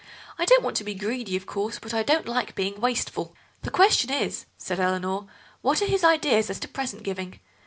I don't want to be greedy, of course, but I don't like being wasteful." "The question is," said Eleanor, "what are his ideas as to present giving?